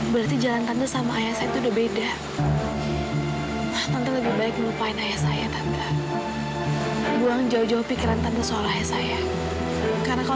berarti saya disini buat ngingetin tante